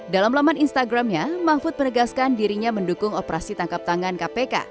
dalam laman instagramnya mahfud menegaskan dirinya mendukung operasi tangkap tangan kpk